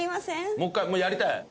もう一回やりたい？